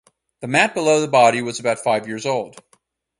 The mat below the body was about five years old.